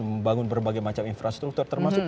membangun berbagai macam infrastruktur termasuk